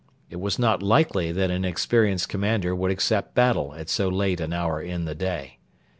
It was not likely that an experienced commander would accept battle at so late an hour in the day.